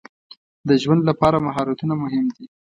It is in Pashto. د ژوند لپاره مهارتونه مهم دي.